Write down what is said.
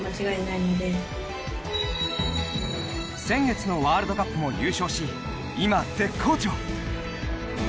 先月のワールドカップも優勝し今、絶好調。